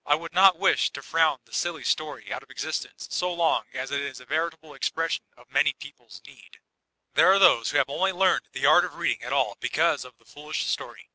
I would not wish to frown the silly story out of existence so long as it is a veritable expression of many people's need. There art those who have only learned the art of reading at all be LiTEKATUBB THE MntlOR OP MaN 377 canse of the foolish story.